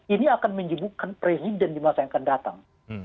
ini akan menjebukkan presiden di masa yang akan datang